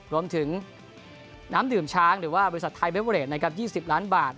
รวมถึงน้ำดื่มช้างหรือว่าบริษัทไทยเบเวอเรดนะครับ๒๐ล้านบาท